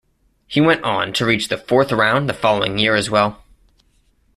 He went on to reach the fourth round the following year as well.